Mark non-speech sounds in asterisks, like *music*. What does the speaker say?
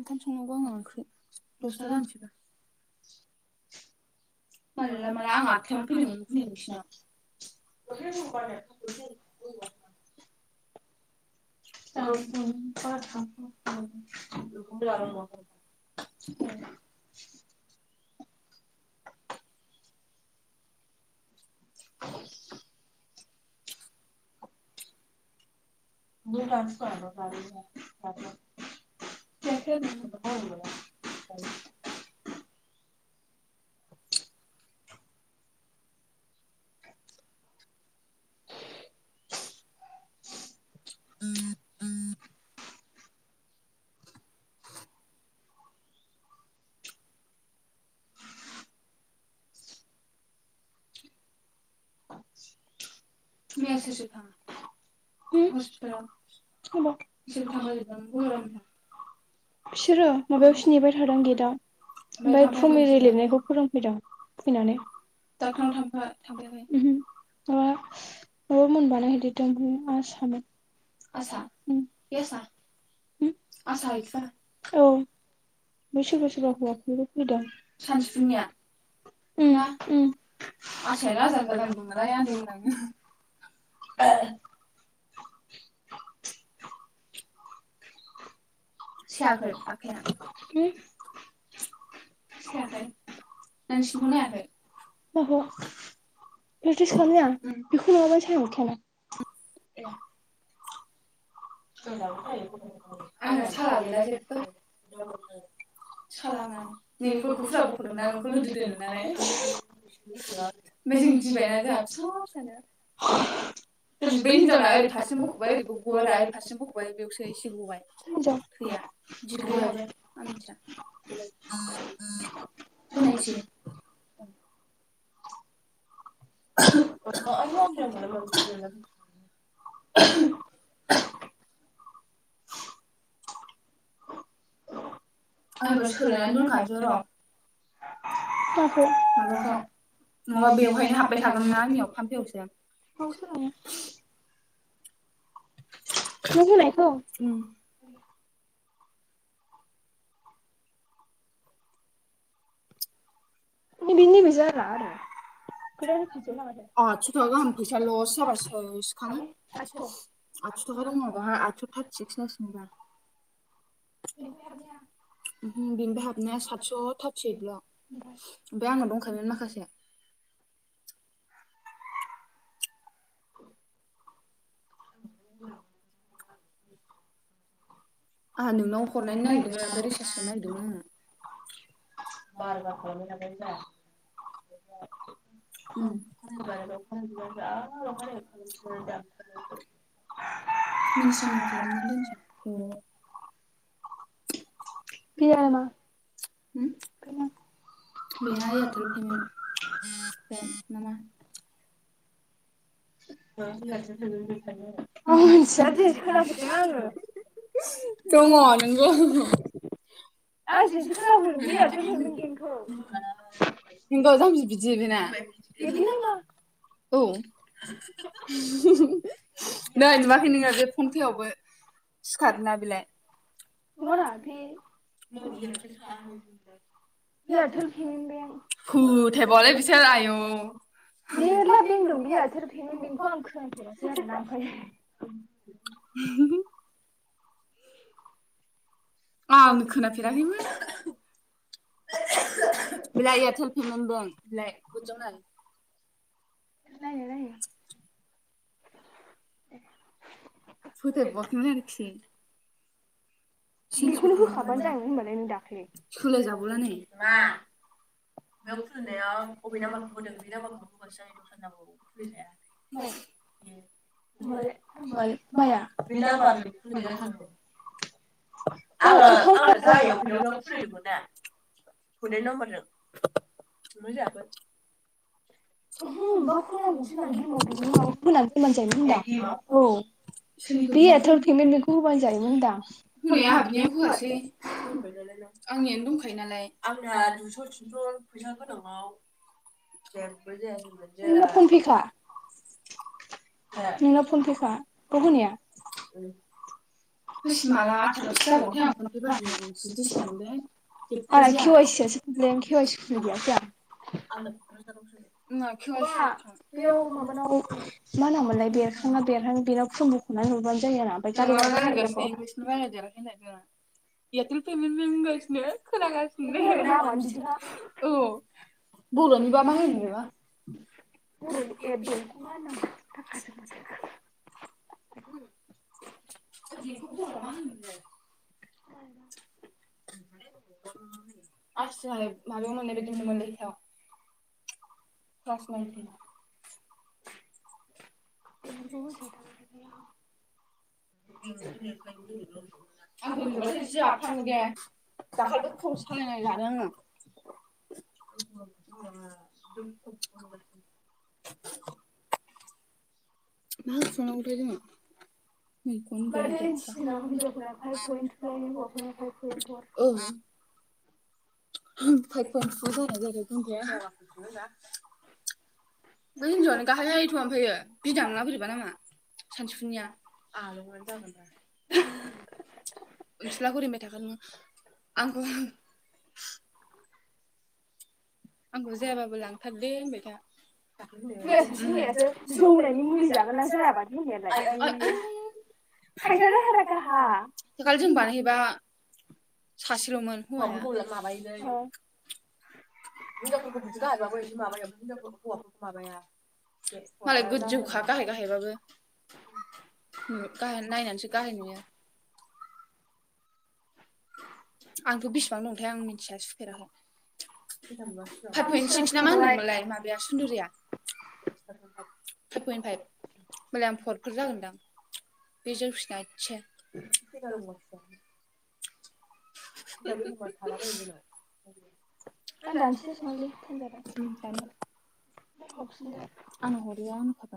ओंखाम संनांगौ आंहा ओंख्रि दसथा जानोसैबो। माला माला आं आदथा‌याव नों फैदों गुमै नोंसिनाव *unintelligible* *unintelligible* *unintelligible* *inaudible* उ उ मैया सोर सोर थांनाय ह हस्पितालाव अबाव बिसोरबो थांफा जोबदों बलराम मोनहा फिसोरो हाबायावसो नेबाय थादों गेटाव ओमफ्राय फुंबिलि लिरनायखौ फोरोंफैदों फैनानै डाक्टारनाव *unintelligible* ओहो *inaudible* अब मोन बानाय हैदेदों आ *inaudible* आसा ए आसा इस औ बै सोरबा सोरबा हौवाफोरबो फैदों। सानसुफुनिया ओम ओम आसायानो आजां गाजां नालाय आ सायाखै आखाया ाख न सिनखौनोायाखै म प्रेटिस खालाम आं बेखौ नङाबाय ह खेला *unintelligible* आंना साला गैला जेबो साला ननिखौ बुस्रा बखदुमना नोंखौ लोगो ननानै ओमफ्राय जों गबायना जोंहा फिसा फिसा बै हिनजावना ओरै फाथाम हर आरो दारसिम बख'बाय बेयावसो एसे बबाय थैया दिग्रि हाबो आ मिथिया गनायथि *inaudible* आं एबार सोलायनानै दोनखागोन एबार माबाखौ नङाबा बेवहायनो हाबबाय थागोन ना आंनियाव फानफेयावसो। *unintelligible* *unintelligible* उमहो बिनिफ्राय हाबनाया सादस' थारथि ओइदल' ओमफ्राय आंना दंखायोमोन माखासे औ *inaudible* *unintelligible* *unintelligible* *unintelligible* *unintelligible* फैया नामा *unintelligible* बेना कार्थेल फेमेन्ट नामा *unintelligible* *unintelligible* नै नुवाखै नोङो बे फनफेवाबो सिखारो ना बेलाय *unintelligible* *unintelligible* *inaudible* आंनो खोनाफेराखैमोन। बेलाय एयारटेल पेमेन्ट बेंक बेलाय बिदियाव नाय *unintelligible* *unintelligible* फोथाइ बआखैमोन आरोखि। बेखौनो होखाबानो जागोन होनबालाय नों दाख्लै *unintelligible* बेयाव खुलिनाया बबे नाम्बारखौ होदों बे नाम्बारखौ होबासो जायो दस्रा नाम्बारखौ होजाया *unintelligible* बे नाम्बारजों खुलि जाथनांगौ। आङो आंनो जाहायाव फैदावनो खुलिदोंमोन ना फैदनाय नाम्बारजों। मो जागोन। ओ बा होनोनौसा गेमाव माबा होनानै फैबानो जायोमोन होनदां औ बे एयारटेल पेमेन्ट बेखौ होबानो जायो मोनदां। होनै आंहा बिनियाव होआसै दंखायो नालाय आंनियानो दंखायो नालाय आंनिया दुइस' थिनस' फैसा गोनाङाव। *unintelligible* गोथारसो जागौमोनथाय आं फनफ्राय बाहाय जि दिस्टार्ब मोनदोंहाय जे आंनो। *unintelligible* बा बेयाव माबानाव मा होनामोनलाय बेरखाङा बेरहांो बेनाव फमबो खना नुुबबानो जायो आरा मफ्राय गारि। *unintelligible* बर'निबा मा होनो बेबा *unintelligible* बर'नि बेंकखौ मा होननो नांगौ *unintelligible* ओ बेंकखौ बर'आव मा होनोमोनलाय? औ दा। *unintelligible* *unintelligible* राज *unintelligible* खौबो सथा। आंबो नबासो जि खालाम्लाङो दे दाखाबो खाव सालायनाय लाानो आङो। अ। *unintelligible* *unintelligible* *unintelligible* बे हिनजावनो गाहाय हायथ'आनो फैयो बिदां ना बोरैबा नामा सानसुमिया आलौ जागोना अनसुला गुरि मेथेखानि आंखौ आंखौ जायाबाबो लांथार दे होनबाय था *unintelligible* सासेलमोन *unintelligible* *unintelligible* *unintelligible* *unintelligible* *unintelligible*